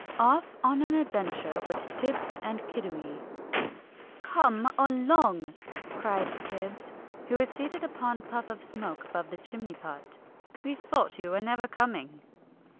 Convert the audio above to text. OFF ON AN ADVENTURE WITH TIBBS AND KIDDIWEE "Come along!" cried Tibbs, who was seated upon a puff of smoke above the chimney pot, "we thought you were never coming."